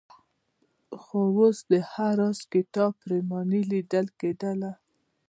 خو اوس د هر راز کتاب پرېماني لیدل کېدله.